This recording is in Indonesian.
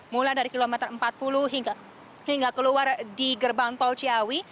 mulai dari kilometer empat puluh hingga keluar di gerbang tol ciawi